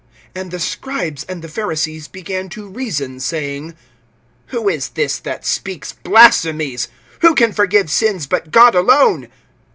(21)And the scribes and the Pharisees began to reason, saying: Who is this that speaks blasphemies? Who can forgive sins, but God alone?